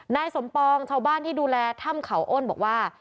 นายสมปองชาวบ้านที่ดูแลถ้ำเขาอ้นบอกว่า